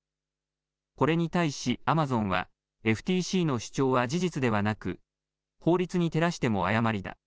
これに対しアマゾンはＦＴＣの主張は事実ではなく法律に照らしても誤りだ。